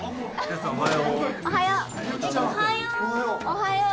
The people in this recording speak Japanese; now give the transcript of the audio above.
おはよう。